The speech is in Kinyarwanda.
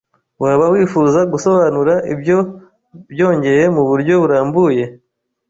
Waba wifuza gusobanura ibyo byongeye muburyo burambuye?